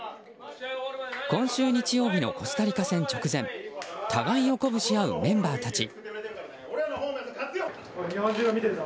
今週日曜日のコスタリカ戦直前互いを鼓舞し合うメンバーたち。